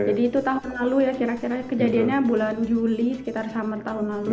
jadi itu tahun lalu ya kira kira kejadiannya bulan juli sekitar summer tahun lalu